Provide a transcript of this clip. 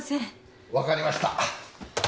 分かりました。